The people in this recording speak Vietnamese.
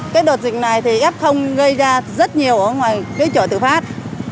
cái đợt dịch này thì ép không gây ra rất nhiều ở ngoài cái chợ tự phát